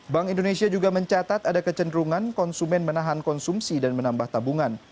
bank indonesia juga mencatat ada kecenderungan konsumen menahan konsumsi dan menambah tabungan